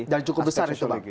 dan cukup besar itu bang